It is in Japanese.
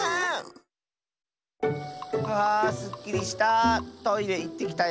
あすっきりした！